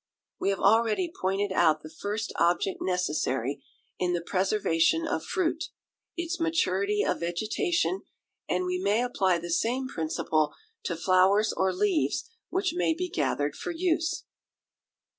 We have already pointed out the first object necessary in the preservation of fruit, its maturity of vegetation, and we may apply the same principle to flowers or leaves which may be gathered for use.